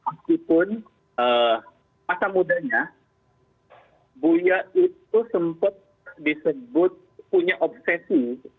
meskipun masa mudanya buya itu sempat disebut punya obsesi